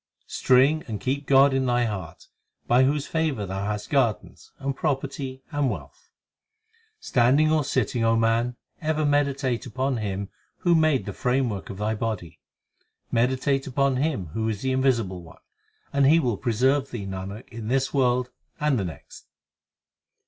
String and keep God in thy heart By whose favour thou hast gardens, and property, and wealth. Standing or sitting, O man, ever meditate upon Him Who made the framework of thy body. Meditate upon Him who is the Invisible One, And he will preserve thee, Nanak, in this world and the next.